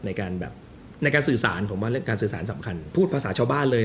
ในการสื่อสารสำคัญพูดภาษาชาวบ้านเลย